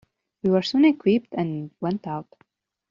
We were soon equipped and went out.